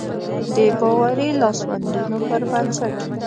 د باوري لاسوندونو پر بنسټ.